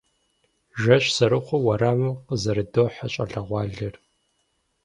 Жэщ зэрыхъуу уэрамым къызэрыдохьэ щӏалэгъуалэр.